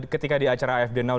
ketika di acara afd